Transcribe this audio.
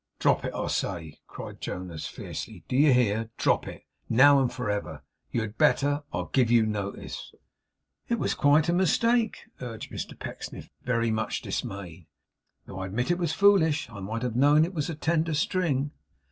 'Drop it, I say!' cried Jonas, fiercely. 'Do you hear? Drop it, now and for ever. You had better, I give you notice!' 'It was quite a mistake,' urged Mr Pecksniff, very much dismayed; 'though I admit it was foolish. I might have known it was a tender string.